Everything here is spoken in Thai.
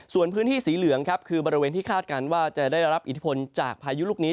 ส่วนพื้นที่สีเหลืองครับคือบริเวณที่คาดการณ์ว่าจะได้รับอิทธิพลจากพายุลูกนี้